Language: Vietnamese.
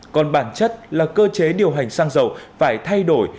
còn bản chất là cơ chế điều hành xăng dầu phải thay đổi